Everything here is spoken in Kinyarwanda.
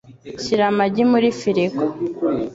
Shyira amagi muri firigo.